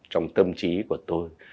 trong tâm trí của tôi